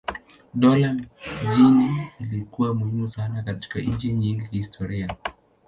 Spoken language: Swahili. Dola miji ilikuwa muhimu sana katika nchi nyingi kihistoria.